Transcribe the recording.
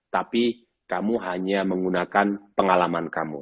tapi kamu hanya menggunakan pengalaman kamu